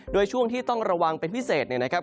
โดยช่วงที่ต้องระวังเป็นพิเศษเนี่ยนะครับ